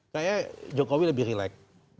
kayaknya jokowi lebih relax